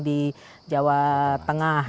di jawa tengah